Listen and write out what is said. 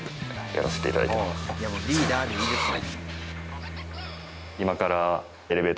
もうリーダーでいいですよ。